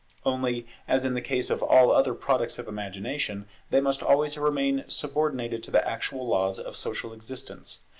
Only, as in the case of all other products of imagination, they must always remain subordinated to the actual laws of social existence.